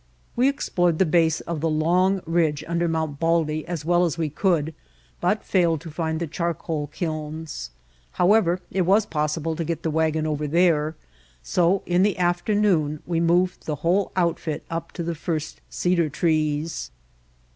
We explored the base of the long ridge under Mount Baldy as well as we could, but failed to find the charcoal kilns. However, it was possible to get the wagon The High White Peaks over there, so in the afternoon we moved the whole outfit up to the first cedar trees.